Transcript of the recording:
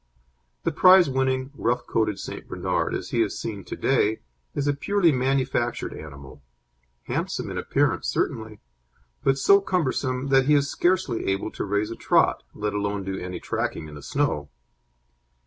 The prizewinning rough coated St. Bernard, as he is seen to day is a purely manufactured animal, handsome in appearance certainly, but so cumbersome that he is scarcely able to raise a trot, let alone do any tracking in the snow.